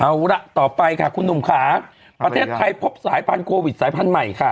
เอาล่ะต่อไปค่ะคุณหนุ่มค่ะประเทศไทยพบสายพันธุวิตสายพันธุ์ใหม่ค่ะ